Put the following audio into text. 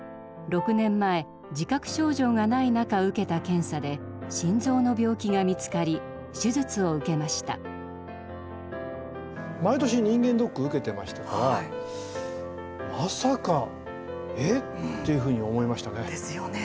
６年前自覚症状がない中受けた検査で心臓の病気が見つかり手術を受けました。ですよね。